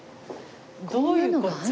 どういうこっちゃ？